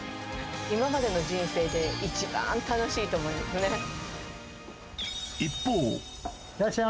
今までの人生で一番楽しいと思い一方。